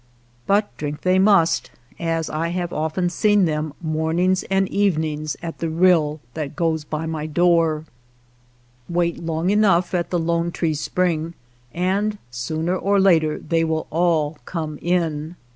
But drink they must, as I have often seen them morn ings and evenings at the rill that goes by my door. Wait long enough at the Lone Tree Spring and sooner or later they will 34 WATER TRAILS OF THE CERISO all come in.